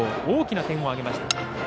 大きな点を挙げました。